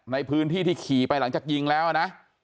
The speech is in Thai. ในพื้นที่ที่ขี่ไปหลังจากยิงแล้วนะ